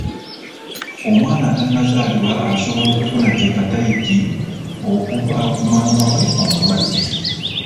Omwana atanazaalibwa asobola okufuna kepatayiti okuva ku maama we omulwadde.